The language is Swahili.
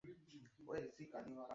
Yeye ni daktari wa meno.